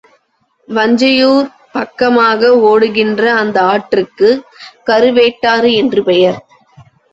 வஞ்சியூர்ப் பக்கமாக ஓடுகின்ற அந்த ஆற்றுக்குக் கருவேட்டாறு என்று பெயர்.